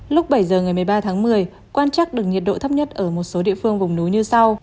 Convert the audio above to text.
lúc bảy giờ ngày một mươi ba tháng một mươi quan trắc được nhiệt độ thấp nhất ở một số địa phương vùng núi như sau